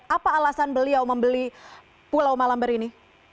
apa alasan beliau membeli pulau malamber ini